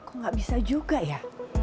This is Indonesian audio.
kok gak bisa juga ya